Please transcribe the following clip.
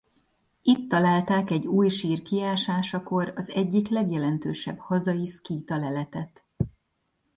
Itt találták egy új sír kiásásakor az egyik legjelentősebb hazai szkíta leletet.